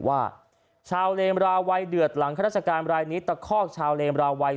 ว่าชาวเลมราวัยเดือดหลังข้าราชการรายนี้ตะคอกชาวเลมราวัย